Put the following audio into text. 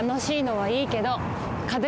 はい。